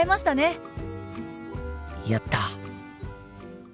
やった！